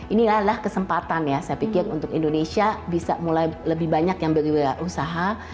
ini adalah kesempatan ya saya pikir untuk indonesia bisa mulai lebih banyak yang berusaha